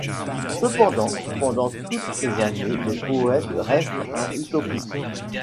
Cependant, pendant toutes ces années le poète reste un utopiste.